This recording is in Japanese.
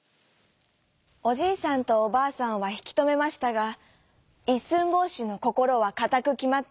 おじいさんとおばあさんはひきとめましたがいっすんぼうしのこころはかたくきまっていました。